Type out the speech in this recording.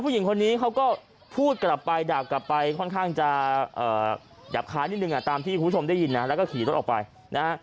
ผู้หญิงคนนี้เขาก็พูดกลับไปดาบกลับไปค่อนข้างจะหยาบคลายนิดนึงตามที่คุณผู้ชมได้ยินนะแล้วก็ขี่รถออกไปนะฮะ